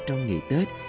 trong ngày tết